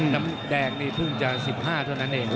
น้ำแดงนี่เพิ่งจะ๑๕เท่านั้นเอง